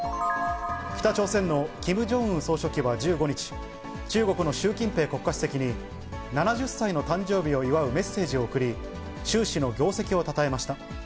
北朝鮮のキム・ジョンウン総書記は１５日、中国の習近平国家主席に、７０歳の誕生日を祝うメッセージを送り、習氏の業績をたたえました。